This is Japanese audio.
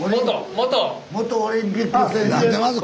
元オリンピック選手。